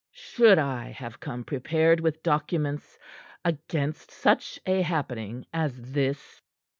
"Should I have come prepared with documents against such a happening as this?"